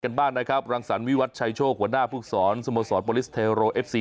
กันบ้านรังศัลวิวัฒน์ไชโชว์หัวหน้าภูกษรสมสรรโปรลิสเทโลเอฟซี